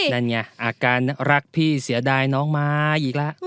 นั่นไงอาการรักพี่เสียดายน้องมาอีกแล้ว